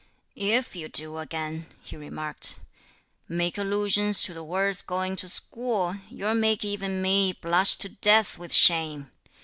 "If you do again," he remarked, "make allusions to the words going to school, you'll make even me blush to death with shame!